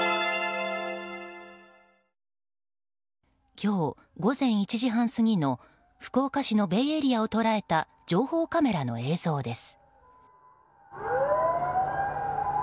今日、午前１時半過ぎの福岡市のベイエリアを捉えた情報カメラの映像です。